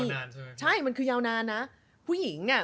มันจะยาวนานใช่มั้ย